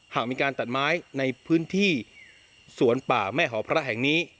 หากมีการตัดไม้ในพื้นที่สวนป่าแม่หอพระแห่งนี้